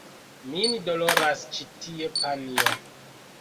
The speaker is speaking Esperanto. Min doloras ĉi tie, panjo!